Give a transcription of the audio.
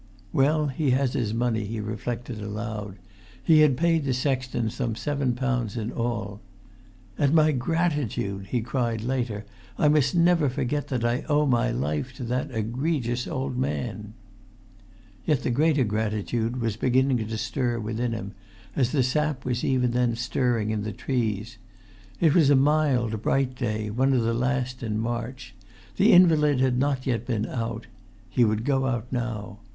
"Well, he has his money," he reflected aloud: he had paid the sexton some seven pounds in all. "And my gratitude!" he cried later. "I must never forget that I owe my life to that egregious old man." Yet the greater gratitude was beginning to stir within him, as the sap was even then stirring in the trees. It was a mild, bright day, one of the last in March. The invalid had not yet been out; he would go out now.